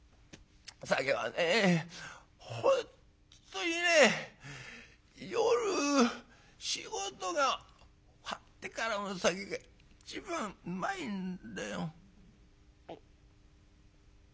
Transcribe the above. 本当にね夜仕事が終わってからの酒が一番うまいんだよ」。